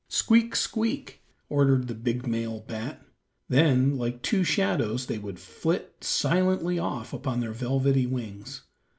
"Squeak, squeak," ordered the big male bat; then like two shadows they would flit silently off upon their velvety wings.